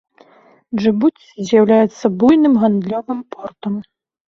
Джыбуці з'яўляецца буйным гандлёвым портам.